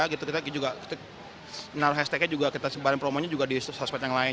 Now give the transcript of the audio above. kita juga menaruh hashtagnya kita juga sebarin promonya di sosmed yang lain